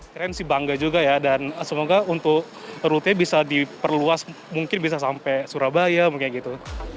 keren sih bangga juga ya dan semoga untuk rute bisa diperluas mungkin bisa sampai surabaya mungkin gitu